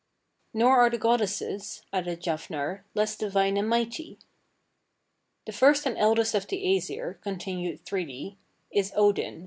"Nor are the goddesses," added Jafnhar, "less divine and mighty." "The first and eldest of the Æsir," continued Thridi, "is Odin.